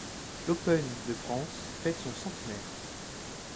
L'Open de France fête son centenaire.